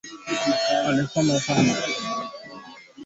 Batu ba goma beko na lima sana kupita bamu katanga